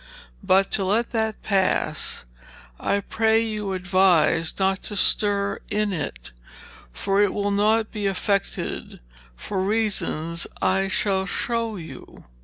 But to let that passe, I pray you advise not to stirre in it, for it will not be affected for reasons I shall show you....